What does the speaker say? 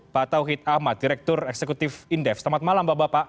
pak tauhid ahmad direktur eksekutif indef selamat malam bapak bapak